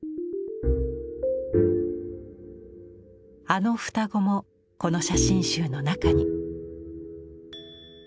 あの双子もこの写真集の中に。